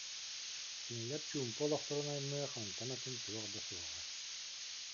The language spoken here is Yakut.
Кинилэр чуумпу олохторун аймыах онтон атын туох да суоҕа